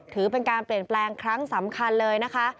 ถือเป็นการเปลี่ยนแปลงครั้งสำคัญเลยนะคะ